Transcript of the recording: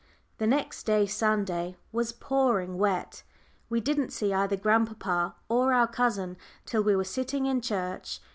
The next day, Sunday, was pouring wet. We didn't see either grandpapa or our cousin till we were sitting in church.